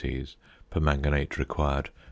c. Permanganate required 1.